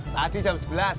tadi jam sebelas